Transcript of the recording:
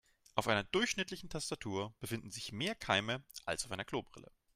Auf einer durchschnittlichen Tastatur befinden sich mehr Keime als auf einer Klobrille.